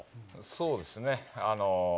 そうですね。